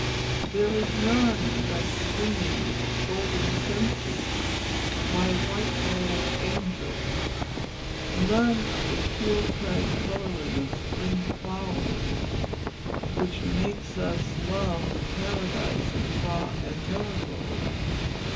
There is none of that swinging of golden censers by white robed angels, none of the pure glad colouring of spring flowers which makes us love the Paradise of Fra Angelico.